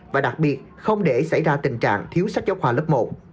và đặc biệt không để xảy ra tình trạng thiếu sách giáo khoa lớp một